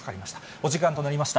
お時間となりました。